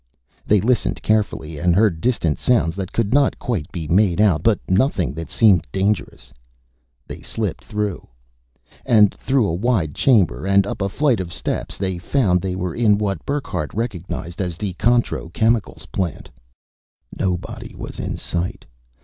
They listened carefully and heard distant sounds that could not quite be made out, but nothing that seemed dangerous. They slipped through. And, through a wide chamber and up a flight of steps, they found they were in what Burckhardt recognized as the Contro Chemicals plant. Nobody was in sight.